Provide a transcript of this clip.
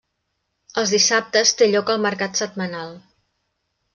Els dissabtes té lloc el mercat setmanal.